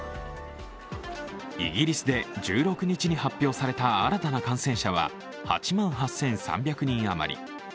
イギリスで１６日に発表された新たな感染者は８万８３００人余り。